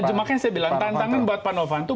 nah makanya saya bilang tantangin buat pak novanto